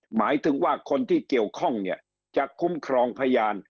หมายถึงว่าคนที่เกี่ยวข้องเนี่ยจะคุ้มครองพยาน